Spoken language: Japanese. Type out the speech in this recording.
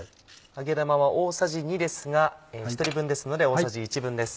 揚げ玉は大さじ２ですが１人分ですので大さじ１分です。